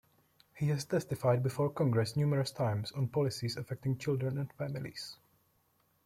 He has testified before Congress numerous times on policies affecting children and families.